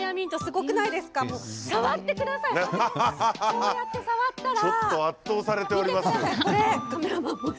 こうやって触ったら。